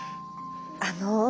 あの。